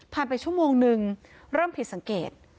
ไปชั่วโมงนึงเริ่มผิดสังเกต